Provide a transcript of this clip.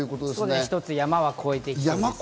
一つ山は越えてきます。